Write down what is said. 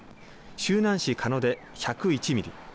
周南市鹿野で１０１ミリ